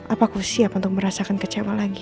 apa aku siap untuk merasakan kecewa lagi